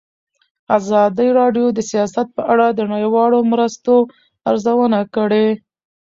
ازادي راډیو د سیاست په اړه د نړیوالو مرستو ارزونه کړې.